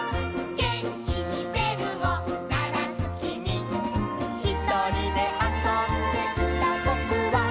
「げんきにべるをならすきみ」「ひとりであそんでいたぼくは」